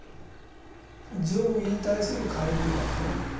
上位に対する下位文化ですね。